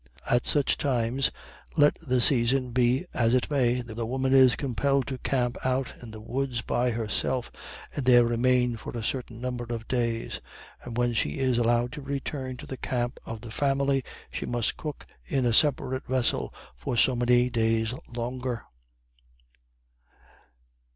At such times let the season be as it may the woman is compelled to camp out in the woods by herself, and there remain for a certain number of days. And when she is allowed to return to the camp of the family, she must cook in a separate vessel for so many days longer.